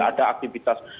apakah saran anda kemudian